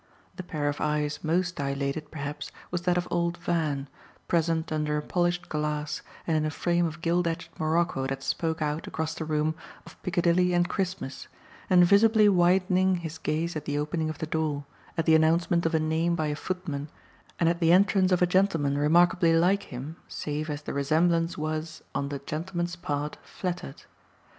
The pair of eyes most dilated perhaps was that of old Van, present under a polished glass and in a frame of gilt edged morocco that spoke out, across the room, of Piccadilly and Christmas, and visibly widening his gaze at the opening of the door, at the announcement of a name by a footman and at the entrance of a gentleman remarkably like him save as the resemblance was on the gentleman's part flattered.